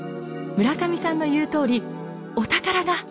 村上さんの言うとおりお宝が。